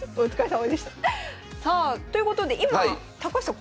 さあということで今高橋さん